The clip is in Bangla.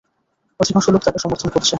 অধিকাংশ লোক তাকে সমর্থন করছে।